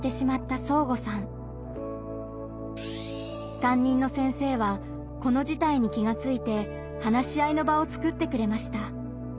担任の先生はこの事態に気がついて話し合いの場を作ってくれました。